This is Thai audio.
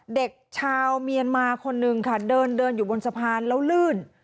เด็กชาวเมียนมาคนนึงค่ะเดินเดินอยู่บนสะพานแล้วลื่น